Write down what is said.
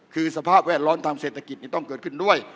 คือสภาพแวดล้อมทางเศรษฐกิจต้องเกิดขึ้นด้วย